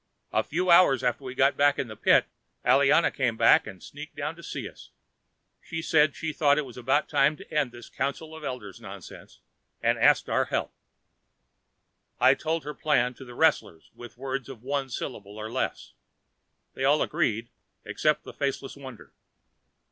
A few hours after we got back in the pit, Aliana came back and sneaked down to see us. She said she thought it was about time to end this council of elders' nonsense and she asked our help. I told her plan to the wrestlers in words of one syllable or less. They all agreed except the Faceless Wonder.